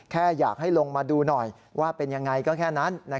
แค่อยากให้ลงมาดูหน่อยว่าเป็นยังไงก็แค่นั้น